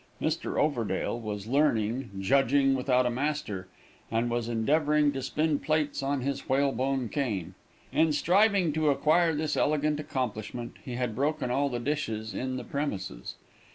Mr. Overdale was learning "juggling without a master," and was endeavoring to spin plates on his whalebone cane. In striving to acquire this elegant accomplishment, he had broken all the dishes in the premises.